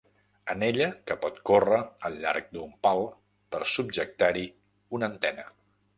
Anella que pot córrer al llarg d'un pal per subjectar-hi una antena.